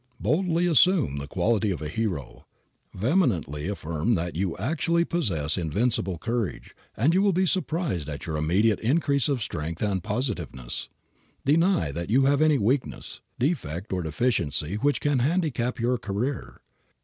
Boldly assume the quality of a hero, vehemently affirm that you actually possess invincible courage, and you will be surprised at your immediate increase of strength and positiveness. Deny that you have any weakness, defect or deficiency which can handicap your career.